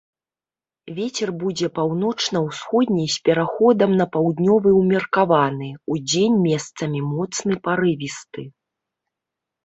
Вецер будзе паўночна-ўсходні з пераходам на паўднёвы ўмеркаваны, удзень месцамі моцны парывісты.